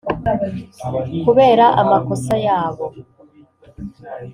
kubera amakosa yabo